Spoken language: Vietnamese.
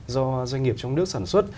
do doanh nghiệp trong nước sản xuất